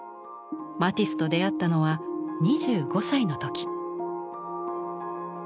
マティスと出会ったのは２５歳の時。